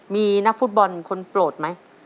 มีนักฟุตบอลคนโปรดไหม